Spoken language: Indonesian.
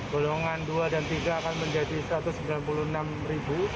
golongan dua dan tiga akan menjadi satu ratus sembilan puluh enam ribu